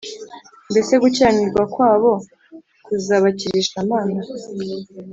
Mbese gukiranirwa kwabo kuzabakirisha Mana